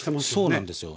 そうなんですよ。